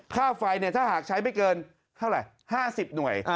ค่าไฟเนี่ยถ้าหากใช้ไม่เกิน๕๐หน่วย